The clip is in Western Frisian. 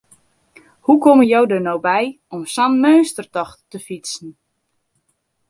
Hoe komme jo der no by om sa'n meunstertocht te fytsen?